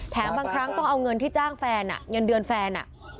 บางครั้งต้องเอาเงินที่จ้างแฟนเงินเดือนแฟน